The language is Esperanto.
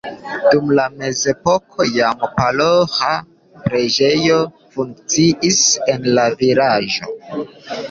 Dum la mezepoko jam paroĥa preĝejo funkciis en la vilaĝo.